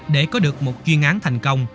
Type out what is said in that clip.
để có được một chuyên án thành công